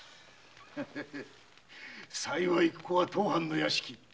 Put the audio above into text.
幸いここは当藩の屋敷。